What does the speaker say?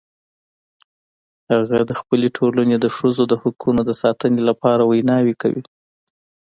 هغه د خپل ټولنې د ښځو د حقونو د ساتنې لپاره ویناوې کوي